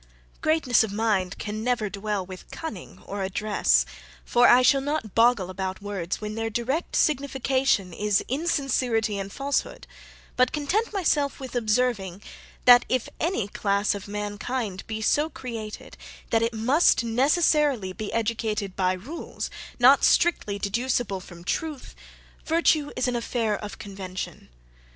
Greatness of mind can never dwell with cunning or address; for I shall not boggle about words, when their direct signification is insincerity and falsehood; but content myself with observing, that if any class of mankind be so created that it must necessarily be educated by rules, not strictly deducible from truth, virtue is an affair of convention.